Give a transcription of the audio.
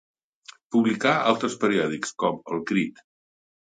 Publicà altres periòdics, com El Crit.